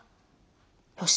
よし。